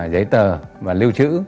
giấy tờ và lưu trữ